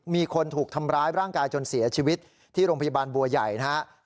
มีคนถูกทำร้ายร่างกายจนเสียชีวิตที่โรงพยาบาลบัวใหญ่นะครับ